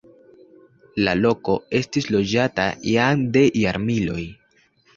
La loko estis loĝata jam de jarmiloj.